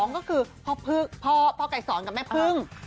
ก็คือพ่อไกรสอนกับแม่พึ่ง